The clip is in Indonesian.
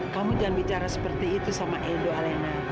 kamu jangan bicara seperti itu sama edo alena